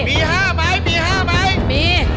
มี๕ไหมมี๕ไหม